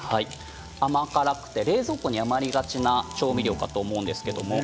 甘辛くて冷蔵庫に余りがちな調味料かと思うんですけどね。